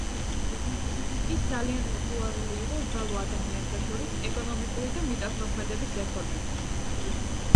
ის ძალიან პოპულარული იყო უბრალო ადამიანთა შორის ეკონომიკური და მიწათმოქმედების რეფორმებით.